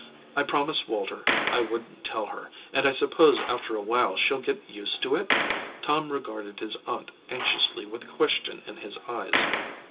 I promised Walter I wouldn t tell her, and I suppose after a while she ll get used to it?" Tom regarded his aunt anxiously with a question in his eyes.